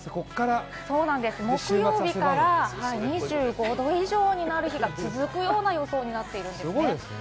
木曜日から２５度以上になる日が続くような予想になっていますね。